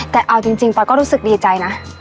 แต่เอาจริงปอยก็รู้สึกดีใจนะ